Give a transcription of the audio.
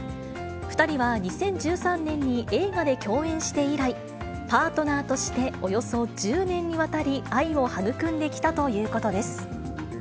２人は２０１３年に映画で共演して以来、パートナーとしておよそ１０年にわたり、愛を育んできたということです。